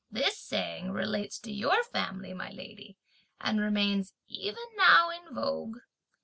This saying relates to your family, my lady, and remains even now in vogue.